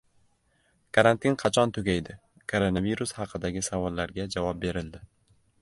Karantin qachon tugaydi? Koronavirus haqidagi savollarga javob berildi